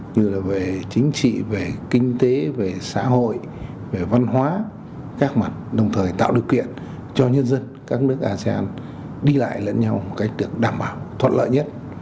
như là về chính trị về kinh tế về xã hội về văn hóa các mặt đồng thời tạo điều kiện cho nhân dân các nước asean đi lại lẫn nhau một cách được đảm bảo thuận lợi nhất